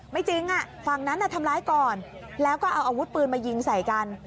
ไม่จริงฝั่งนั้นทำร้ายก่อนแล้วก็เอาอาวุธปืนมายิงใส่กัน